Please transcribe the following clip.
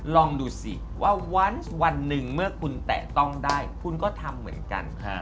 ลองดูสิว่าวันหนึ่งเมื่อคุณแตะต้องได้คุณก็ทำเหมือนกัน